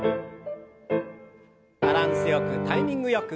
バランスよくタイミングよく。